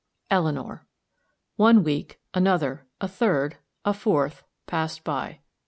ELEANOR. One week, another a third a fourth, passed by.